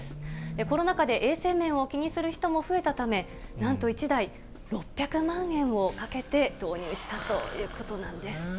コロナ禍で衛生面を気にする人も増えたため、なんと、１台６００万円をかけて導入したということなんです。